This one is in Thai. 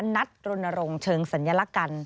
นัดรนรงค์เชิงสัญลักษณ์กัน